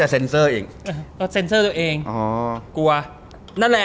เซ้นเซอร์ตัวเองกลัว